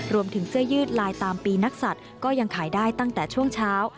เสื้อยืดลายตามปีนักศัตริย์ก็ยังขายได้ตั้งแต่ช่วงเช้า